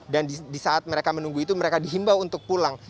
dan di saat mereka menunggu itu mereka dihimbau untuk pulang